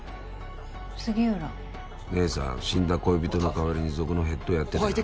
杉浦姐さん死んだ恋人の代わりに族のヘッドやっててな